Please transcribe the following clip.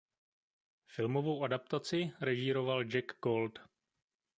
Filmovou adaptaci režíroval Jack Gold.